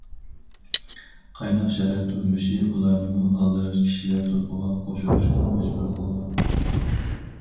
قايناق شەھەر تۇرمۇشى ئۇلارنىمۇ ئالدىراش كىشىلەر توپىغا قوشۇلۇشقا مەجبۇر قىلغان.